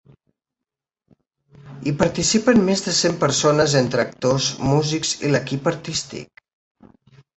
Hi participen més de cent persones entre actors, músics i l’equip artístic.